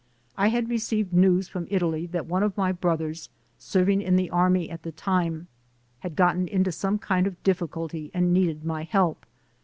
I had received news from Italy that one of my brothers, serving in the army at the time, had gotten into some kind of difficulty and needed my help.